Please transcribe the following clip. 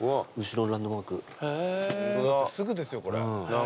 すぐですよこれ。